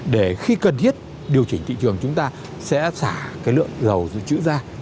để khi cần thiết điều chỉnh thị trường chúng ta sẽ xả cái lượng dầu dự trữ ra